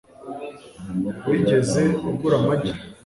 wigeze ugura amagi